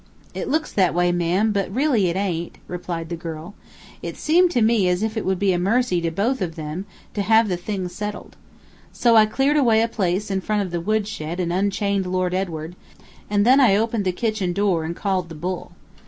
"It looks that way, ma'am, but really it aint," replied the girl. "It seemed to me as if it would be a mercy to both of 'em to have the thing settled. So I cleared away a place in front of the wood shed and unchained Lord Edward, and then I opened the kitchen door and called the bull.